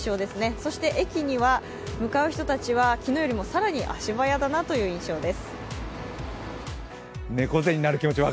そして駅に向かう人たちは、昨日よりも更に足早だなという感じです。